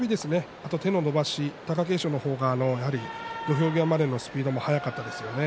あと手の伸ばし、貴景勝の方が土俵際のスピードは早かったです。